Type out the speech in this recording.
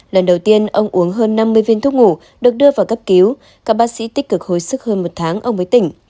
lần đầu tiên ông uống hơn năm mươi viên thuốc ngủ được đưa vào cấp cứu các bác sĩ tích cực hồi sức hơn một tháng ông với tỉnh